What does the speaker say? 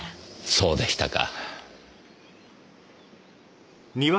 そうでしたか。